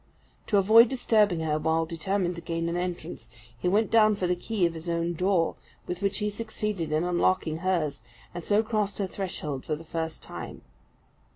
To avoid disturbing her, while determined to gain an entrance, he went down for the key of his own door, with which he succeeded in unlocking hers, and so crossed her threshold for the first time.